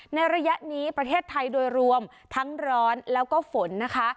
ในระยะนี้ประเทศไทยโดยรวมทั้งร้อนแล้วก็ฝนนะคะ